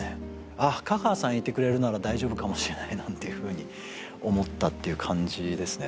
あっ香川さんいてくれるなら大丈夫かもしれないなんていうふうに思ったっていう感じですね